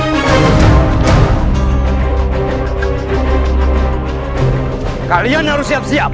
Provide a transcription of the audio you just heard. kami akan melakukan apa yang harus dilakukan